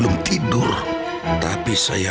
jangan sampai dia menangkap kamu